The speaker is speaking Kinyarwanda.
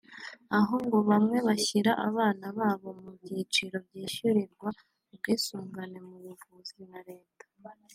aho ngo bamwe bashyira abana babo mu byiciro byishyurirwa ubwisungane mu buvuzi na Leta